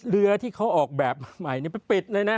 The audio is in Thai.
เรือที่เขาออกแบบมาใหม่ไปปิดเลยนะ